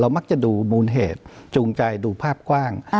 มักจะดูมูลเหตุจูงใจดูภาพกว้าง